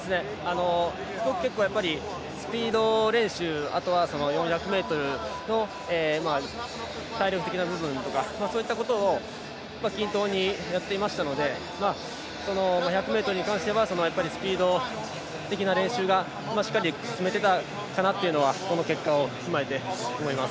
結構、スピード練習あとは、４００ｍの体力的な部分とかそういったことを均等にやっていましたので１００ｍに関してはスピード的な練習がしっかり積めていたかなというのはこの結果を踏まえて思います。